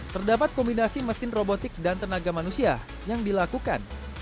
terdapat kombinasi mesin robotik dan tenaga manusia yang dilakukan